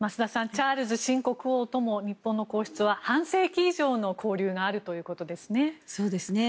チャールズ新国王とも日本の皇室は半世紀以上の交流があるということですね。